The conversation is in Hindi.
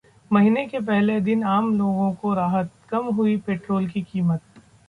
महीने के पहले दिन आम लोगों को राहत, कम हुई पेट्रोल की कीमत